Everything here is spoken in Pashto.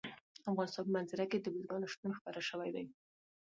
د افغانستان په منظره کې د بزګانو شتون ښکاره دی.